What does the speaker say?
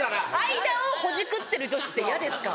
間をほじくってる女子って嫌ですか？